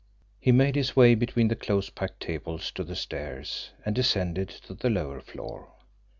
He made his way between the close packed tables to the stairs, and descended to the lower floor.